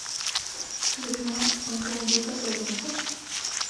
Tu vyvinula automobilka Proton sama.